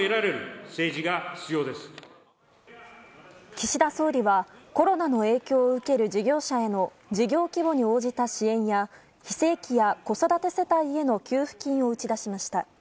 岸田総理はコロナの影響を受ける事業者への事業規模に応じた支援や非正規や子育て世帯への給付金を打ち出しました。